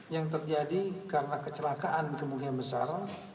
yang terjadi karena kecelakaan kemungkinan besar